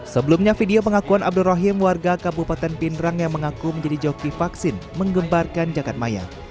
sebelumnya video pengakuan abdur rahim warga kabupaten pindrang yang mengaku menjadi joki vaksin mengembarkan jakarta maya